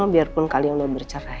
biarpun kalian udah bercerai